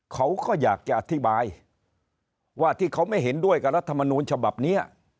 เขาก็อยากจะอธิบายว่าที่เขาไม่เห็นด้วยกับรัฐมนูลฉบับนี้